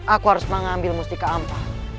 aku harus mengambil mustika ampal